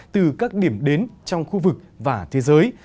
từ các điểm đến trong khu vực và thế giới